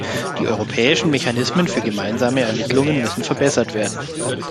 Die europäischen Mechanismen für gemeinsame Ermittlungen müssen verbessert werden.